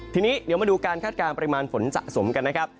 ทีนี้เดี๋ยวมาดูการคาดการณปริมาณฝนสะสมกันนะครับ